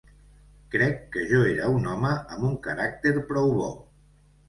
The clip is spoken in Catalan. Crec que jo era un home amb un caràcter prou bo.